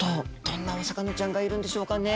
どんなお魚ちゃんがいるんでしょうかね。